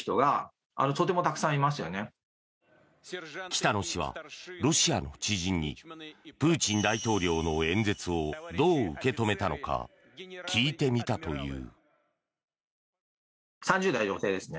北野氏はロシアの知人にプーチン大統領の演説をどう受け止めたのか聞いてみたという。